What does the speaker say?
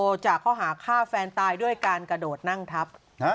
จากข้อหาฆ่าแฟนตายด้วยการกระโดดนั่งทับ